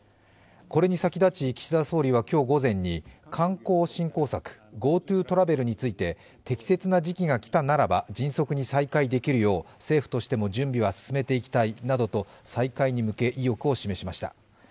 これに先立ち、岸田総理は今日午前に観光振興策＝ＧｏＴｏトラベルについて適切な時期が来たならば迅速に再開できるよう政府としても準備は進めていきたいなどと再開に向け、意欲を示しました。